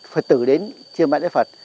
phật tử đến chiêm bái với phật